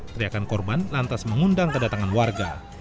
teriakan korban lantas mengundang kedatangan warga